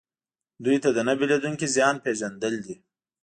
دوی ته د نه بدلیدونکي زیان پېژندل دي.